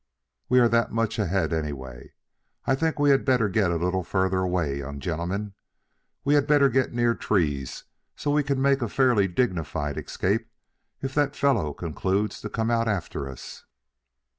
"We are that much ahead anyway. I think we had better get a little further away, young gentlemen. We had better get near trees so we can make a fairly dignified escape if that fellow concludes to come out after us."